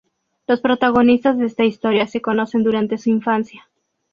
Los protagonistas de esta historia se conocen durante su infancia.